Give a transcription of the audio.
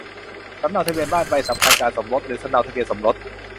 สำเนาทะเบียนบ้าน ใบสำคัญการสมรส หรือสำเนาทะเบียนสมรส